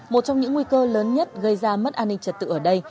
một trong những nguy cơ lớn nhất gây ra mất an ninh trật tự ở đây